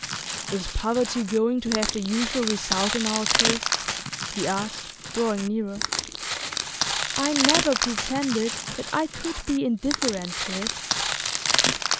'Is poverty going to have the usual result in our case?' he asked, drawing nearer. 'I never pretended that I could be indifferent to it.